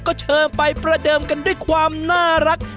ก็เชิญไปประเดิมกันด้วยความน่ารัก